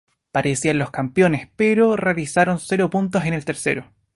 Parecían los campeones, pero realizaron cero puntos en el tercero.